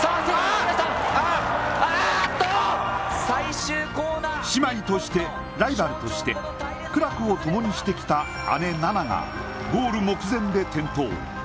最終コーナー姉妹として、ライバルとして苦楽をともにしてきた姉・菜那がゴール目前で転倒。